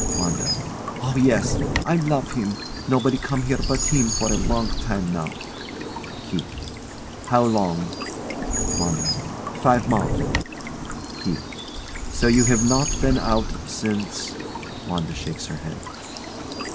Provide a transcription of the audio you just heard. Oh, yes! I love him. Nobody come here but him for a long time now. KEITH. How long? WANDA. Five month. KEITH. So you have not been out since ? [WANDA shakes her head.